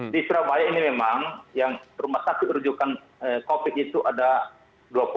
di surabaya ini memang yang rumah sakit rujukan covid itu ada dua puluh